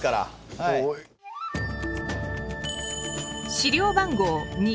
資料番号２。